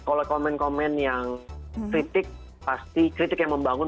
kalau komen komen yang kritik pasti kritik yang membangun